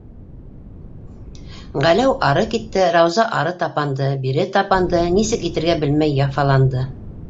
Ғәләү ары китте, Рауза ары тапанды, бире тапанды - нисек итергә белмәй яфаланды.